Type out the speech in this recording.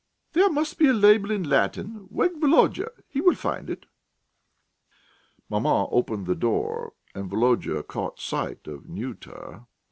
"There must be a label in Latin. Wake Volodya; he will find it." Maman opened the door and Volodya caught sight of Nyuta.